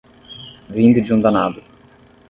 Vindo de um danado.